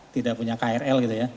tidak punya krl gitu ya